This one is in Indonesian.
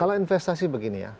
kalau investasi begini ya